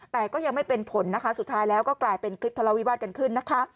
แต่ก็ยังไม่เป็นผลนะคะสุดท้ายแล้วก็กลายเป็นคลิปทะเลาวิวาสกันขึ้นนะคะ